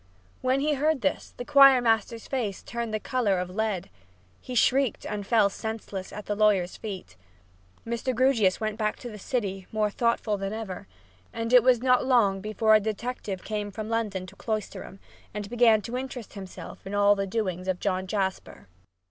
When he heard this the choir master's face turned the color of lead. He shrieked and fell senseless at the lawyer's feet. Mr. Grewgious went back to the city more thoughtful than ever, and it was not long before a detective came from London to Cloisterham and began to interest himself in all the doings of John Jasper.